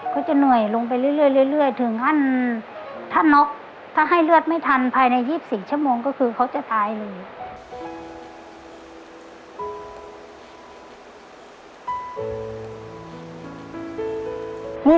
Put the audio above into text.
ก็จะเหนื่อยลงไปเรื่อยถึงขั้นถ้าน็อกถ้าให้เลือดไม่ทันภายใน๒๔ชั่วโมงก็คือเขาจะตายเลย